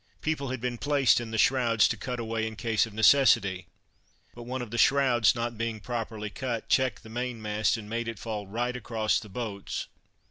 People had been placed in the shrouds to cut away in case of necessity; but one of the shrouds not being properly cut, checked the main mast and made it fall right across the boats.